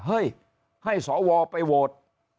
เฮ้ยให้สวไปโหวต